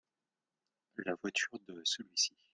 La voiture de celui-ci.